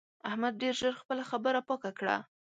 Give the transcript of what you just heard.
احمد ډېر ژر خپله خبره پاکه کړه.